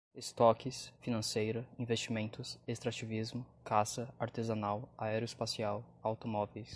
estoques, financeira, investimentos, extrativismo, caça, artesanal, aeroespacial, automóveis